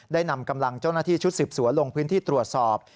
นำกำลังเจ้าหน้าที่ชุดสืบสวนลงพื้นที่ตรวจสอบ